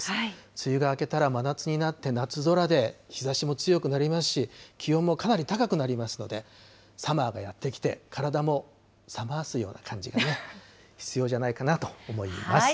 梅雨が明けたら真夏になって、夏空で、日ざしも強くなりますし、気温もかなり高くなりますので、サマーがやって来て、体もさまーすような感じがね、必要じゃないかなと思います。